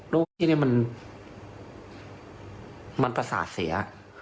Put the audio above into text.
โรคที่นี่มันมันประสาทเสีย